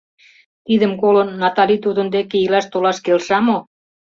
Тидым колын, Натали тудын деке илаш толаш келша мо?